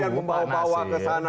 membawa bawa ke sana